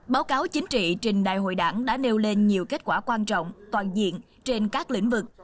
báo cáo chính trị trình đại hội đảng đã nêu lên nhiều kết quả quan trọng toàn diện trên các lĩnh vực